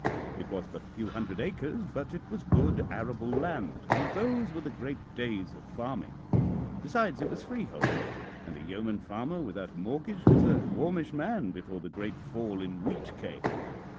It was but a few hundred acres, but it was good arable land, and those were the great days of farming. Besides, it was freehold, and a yeoman farmer without a mortgage was a warmish man before the great fall in wheat came.